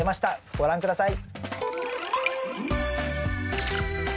ご覧下さい。